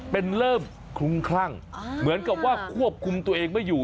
เป็นเริ่มคลุ้มคลั่งเหมือนกับว่าควบคุมตัวเองไม่อยู่